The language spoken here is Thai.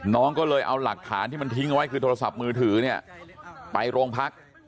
น้องก็เลยเอาหลักฐานที่มันทิ้งเอาไว้คือโทรศัพท์มือถือเนี่ยไปโรงพัก